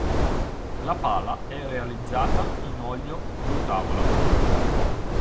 La pala è realizzata in olio du tavola.